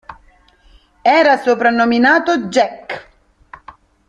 Era soprannominato "Jack".